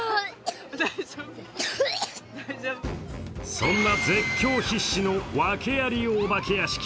そんな絶叫必至のワケアリお化け屋敷。